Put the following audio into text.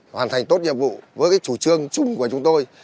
hoàn thành tốt nhiệm vụ với cái chủ trương chung của chúng tôi